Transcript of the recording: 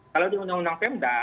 kalau di undang undang pemda